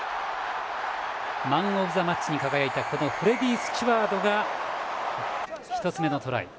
マンオブザマッチに輝いたフレディー・スチュワードが１つ目のトライ。